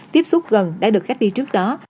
tiếp xúc gần đã được cách ly trước đó